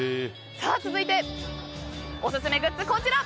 続いて、オススメグッズこちら。